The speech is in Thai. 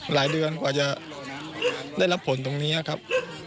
หลายเดือนกว่าจะได้รับผลตรงนี้นะครับ